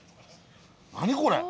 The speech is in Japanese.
何これ？